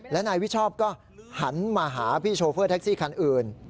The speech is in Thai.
และนายวิชอบก็หันมาหาพี่โชเฟอร์แท็กซี่คันอื่น